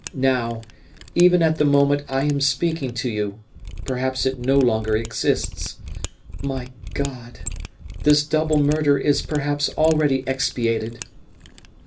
Now, even at the moment I am speaking to you, perhaps it no longer exists. My God! this double murder is perhaps already expiated!"